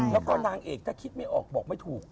แล้วก็นางเอกถ้าคิดไม่ออกบอกไม่ถูก